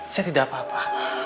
saya tidak apa apa